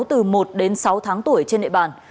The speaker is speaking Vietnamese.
từ một đến sáu tháng tuổi trên địa bàn